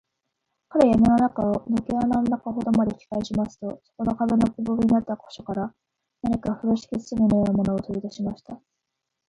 彼はやみの中を、ぬけ穴の中ほどまで引きかえしますと、そこの壁のくぼみになった個所から、何かふろしき包みのようなものを、とりだしました。